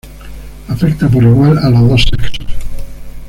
Afecta por igual a los dos sexos.